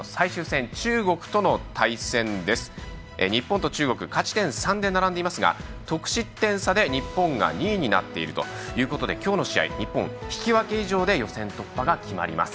日本と中国勝ち点３で並んでいますが得失点差で日本が２位になっているということで今日の試合、日本は引き分け以上で予選突破が決まります。